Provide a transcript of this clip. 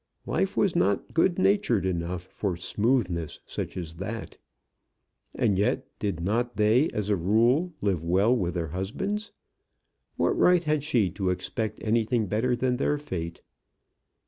Life was not good natured enough for smoothness such as that. And yet did not they, as a rule, live well with their husbands? What right had she to expect anything better than their fate?